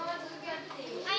・はい。